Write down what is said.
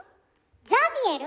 ザビエル？